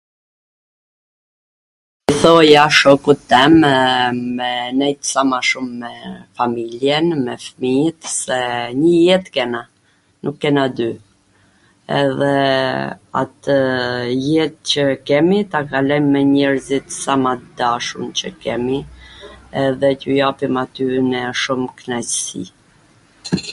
thoja shokut tem me nejt sa ma shum me familjen, me fmijt, se njw jet kena, nuk kena dy, edhe atw jet qw kemi ta kalojm me njerzit sa ma t dashun qw kemi edhe t ju japim atyne shum knaqsi.